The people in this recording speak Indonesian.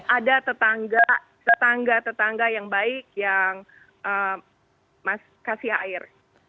ada tetangga tetangga yang baik yang kasih air